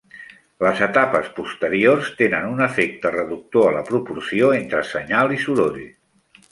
Les etapes posteriors tenen un efecte reductor a la proporció entre senyal i soroll.